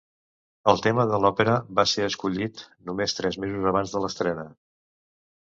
El tema de l'òpera va ser escollit només tres mesos abans de l'estrena.